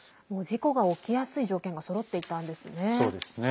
事故が起きやすい条件がそろっていたんですね。